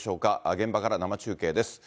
現場から生中継です。